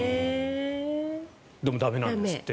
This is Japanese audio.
でも、駄目なんですって。